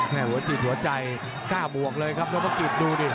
หัวติดหัวใจ๙บวกเลยครับโรปกิศดูดิ